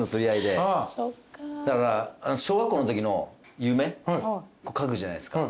小学校のときの夢書くじゃないですか。